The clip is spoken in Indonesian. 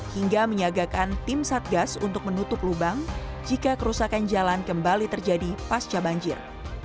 hingga menyiagakan tim satgas untuk menutup lubang jika kerusakan jalan kembali terjadi pasca banjir